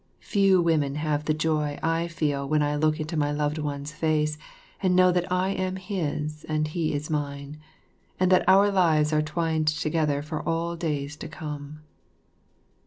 Few women have the joy I feel when I look into my loved one's face and know that I am his and he is mine, and that our lives are twined together for all the days to come.